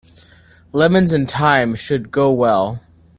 Lemons and thyme should go well.